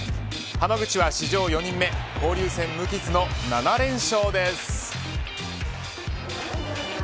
濱口は史上４人目交流戦無傷の７連勝です。